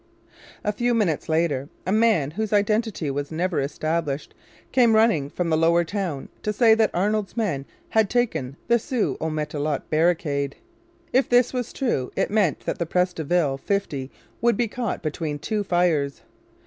A few minutes later a man whose identity was never established came running from the Lower Town to say that Arnold's men had taken the Sault au Matelot barricade. If this was true it meant that the Pres de Ville fifty would be caught between two fires.